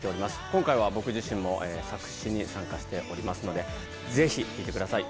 今回は僕自身も作詞に参加しておりますのでぜひ聴いてください